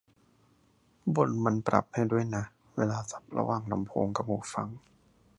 บน มันปรับ ให้ด้วยนะ เวลาสับระหว่างลำโพงกับหูฟัง